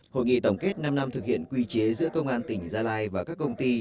hội nghị tổng kết năm năm thực hiện quy chế giữa công an tỉnh gia lai và các công ty